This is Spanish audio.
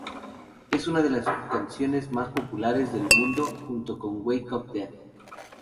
Es una de las canciones más populares del álbum, junto con "Wake Up Dead".